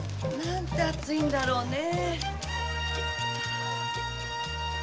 なんて暑いんだろうね。